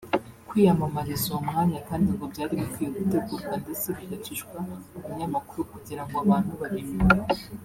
Kwiyamamariza uwo mwanya kandi ngo byari bikwiye gutegurwa ndetse bigacishwa mu binyamakuru kugira ngo abantu babimenye